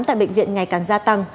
tại bệnh viện ngày càng gia tăng